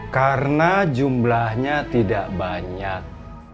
karena jumlahnya tidak banyak